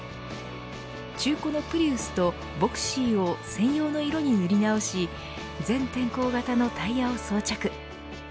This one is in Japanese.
中古のプリウスとヴォクシーを専用の色に塗り直し全天候型のタイヤを装着。